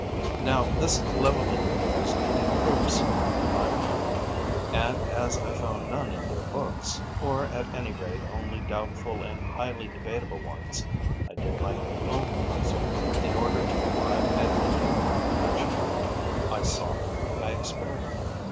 Now this levelling of theirs needed proofs, to my mind; and, as I found none in their books, or at any rate only doubtful and highly debatable ones, I did my own observing, in order to arrive at a definite conviction; I sought; I experimented.